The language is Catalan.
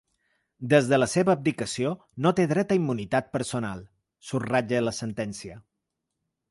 “Des de la seva abdicació, no té dret a immunitat personal”, subratlla la sentència.